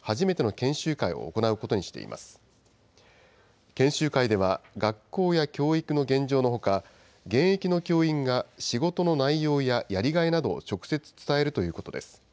研修会では、学校や教育の現状のほか、現役の教員が仕事の内容ややりがいなどを直接伝えるということです。